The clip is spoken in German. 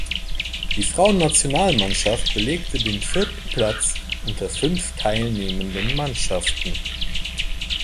Die Frauennationalmannschaft belegte den vierten Platz unter fünf teilnehmenden Mannschaften.